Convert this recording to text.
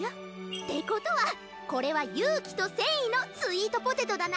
ってことはこれはゆうきとせんいのスイートポテトだな。